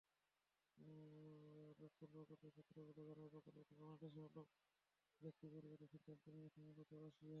রূপপুর প্রকল্পের সূত্রগুলো জানায়, প্রকল্পটি বাংলাদেশের হলেও প্রযুক্তি পরিবর্তনের সিদ্ধান্ত নিয়েছে মূলত রাশিয়া।